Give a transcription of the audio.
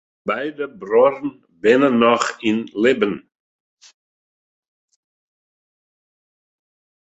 Beide bruorren binne noch yn libben.